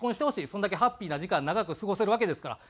そんだけハッピーな時間長く過ごせるわけですから。